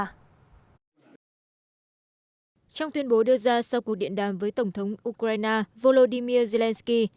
trong tuyên bố đưa ra sau cuộc điện đàm với tổng thống ukraine volodymyr zelensky